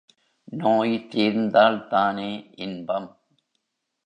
நோய் தீர்ந்தால்தானே இன்பம்?